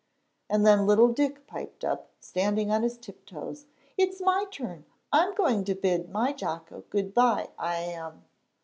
And then little Dick piped up, standing on his tiptoes, "It's my turn; I'm going to bid my Jocko good by, I am."